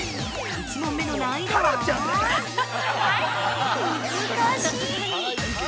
１問目の難易度はむずかしい！